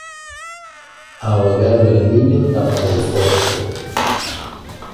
Ahogado el niño, tapan el pozo.